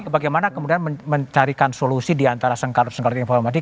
bagaimana kemudian mencarikan solusi diantara sengkarut sengkarut informatif